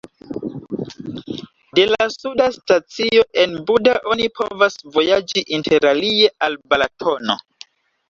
De la suda stacio en Buda oni povas vojaĝi interalie al Balatono.